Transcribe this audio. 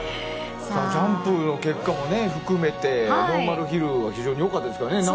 ジャンプの結果も含めてノーマルヒルは非常に良かったですよね。